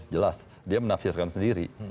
jelas dia menafsirkan sendiri